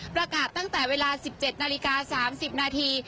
ประกาศตั้งแต่เวลา๑๗นาฬิกา๓๐นาที